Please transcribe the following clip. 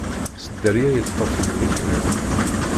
S dderya yeṭṭef lmeknat.